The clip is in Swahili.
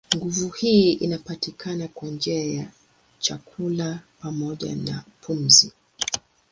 Nguvu hii inapatikana kwa njia ya chakula pamoja na pumzi.